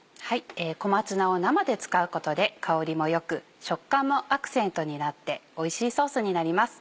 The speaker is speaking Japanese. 小松菜を生で使うことで香りも良く食感もアクセントになっておいしいソースになります。